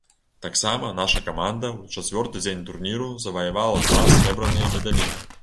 Таксама наша каманда ў чацвёрты дзень турніру заваявалі два срэбраныя медалі.